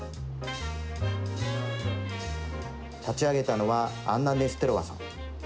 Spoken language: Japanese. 立ち上げたのはアンナ・ネステロワさん。